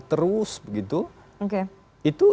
terus begitu itu